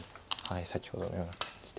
先ほどのような感じで。